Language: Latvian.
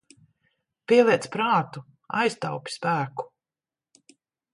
Pieliec prātu, aiztaupi spēku.